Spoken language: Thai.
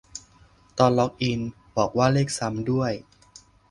ตอนล็อกอิน บอกว่าเลขซ้ำด้วย